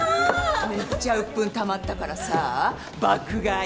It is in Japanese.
めっちゃ鬱憤たまったからさ爆買い。